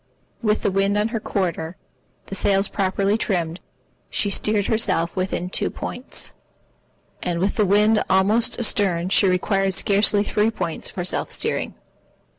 With the wind on her quarter and the sails properly trimmed, she steered herself within two points, and with the wind almost astern she required scarcely three points for self steering.